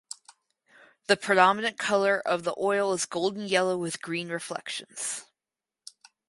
The predominant color of the oil is golden yellow with green reflections.